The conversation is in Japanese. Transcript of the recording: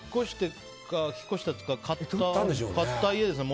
引っ越したというか買った家ですよね。